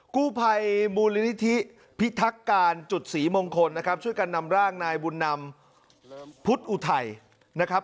กู้ภัยมูลนิธิพิทักการจุดศรีมงคลนะครับช่วยกันนำร่างนายบุญนำพุทธอุทัยนะครับ